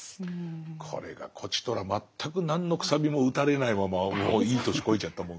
これがこちとら全く何の楔も打たれないままいい年こいちゃったもんで。